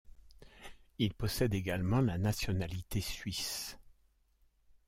Il possède également la nationalité suisse.